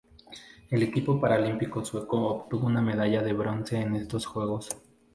El equipo paralímpico sueco obtuvo una medalla de bronce en estos Juegos.